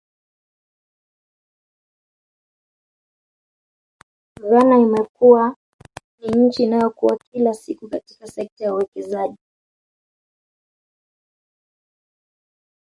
Ghana imekuwa ni nchi inayokua kila siku katika sekta ya uwekezaji